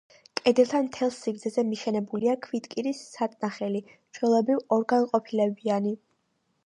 კედელთან მთელს სიგრძეზე მიშენებულია ქვიტკირის საწნახელი, ჩვეულებრივ ორგანყოფილებიანი.